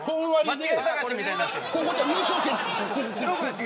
間違い探しみたいになってる。